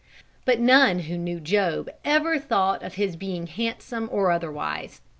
But none who knew Job ever thought of his being handsome or otherwise.